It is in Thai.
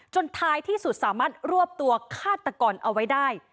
ท้ายที่สุดสามารถรวบตัวฆาตกรเอาไว้ได้